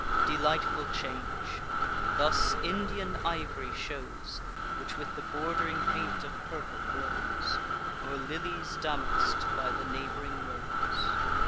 Delightful change! Thus Indian iv'ry shows, Which with the bord'ring paint of purple glows; Or lilies damask'd by the neighb'ring rose.